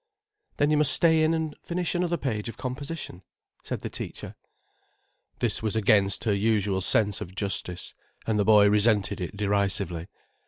"Then you must stay in and finish another page of composition," said the teacher. This was against her usual sense of justice, and the boy resented it derisively.